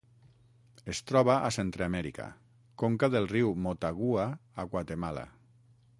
Es troba a Centreamèrica: conca del riu Motagua a Guatemala.